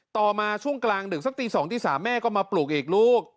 ต่อมาช่วงกลางดึกสักตี๒ตี๓แม่ก็มาปลูกเอกลูก